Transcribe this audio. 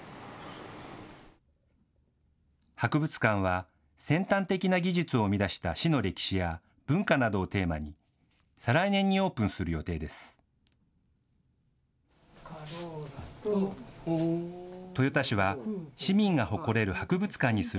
博物館は、先端的な技術を生み出した市の歴史や文化などをテーマに、再来年にオープンする予定です。